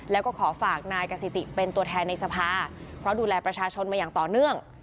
แล้วก็ขอฝากนายกสิติเป็นตัวแทนในสภาเพราะดูแลประชาชนมาอย่างต่อเนื่อง